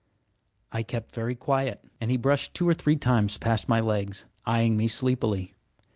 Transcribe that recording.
I kept very quiet, and he brushed two or three times past my legs, eyeing me sleepily.